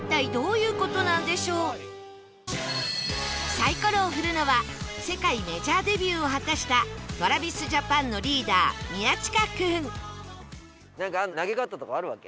サイコロを振るのは世界メジャーデビューを果たした ＴｒａｖｉｓＪａｐａｎ のリーダー宮近君なんか投げ方とかあるわけ？